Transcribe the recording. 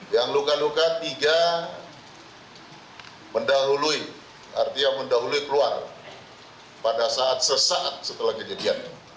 yang luka luka tiga mendahului artinya mendahului keluar pada saat sesaat setelah kejadian